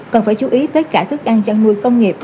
cần phải chú ý tới cả thức ăn chăn nuôi công nghiệp